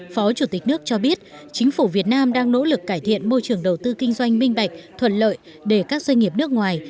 phó chủ tịch nước cho biết chính phủ việt nam đang nỗ lực cải thiện môi trường đầu tư kinh doanh minh bạch thuận lợi để các doanh nghiệp nước ngoài